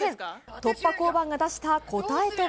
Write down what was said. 突破交番が出した答えとは。